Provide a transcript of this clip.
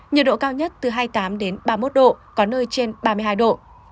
nhiệt độ cao nhất từ hai mươi tám ba mươi một độ có nơi trên ba mươi hai độ